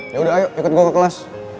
ya udah ayo ikut gue ke kelas